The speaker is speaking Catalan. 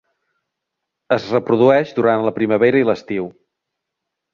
Es reprodueix durant la primavera i l'estiu.